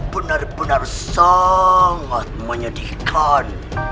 benar benar sangat menyedihkan